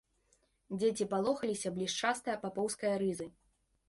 Дзеці палохаліся блішчастае папоўскае рызы.